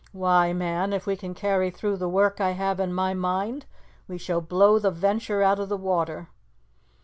Why, man, if we can carry through the work I have in my mind, we shall blow the Venture out of the water!